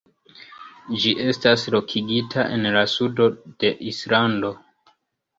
Ĝi estas lokigita en la sudo de Islando.